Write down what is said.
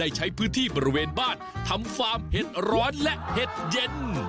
ใช้พื้นที่บริเวณบ้านทำฟาร์มเห็ดร้อนและเห็ดเย็น